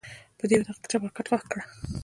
په دې اطاق کې چپرکټ خوښ کړه.